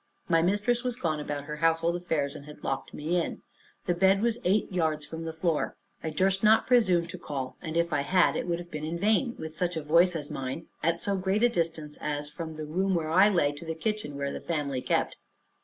My mistress was gone about her household affairs, and had locked me in. The bed was eight yards from the floor. I durst not presume to call; and if I had, it would have been in vain, with such a voice as mine, at so great a distance as from the room where I lay to the kitchen where the family kept.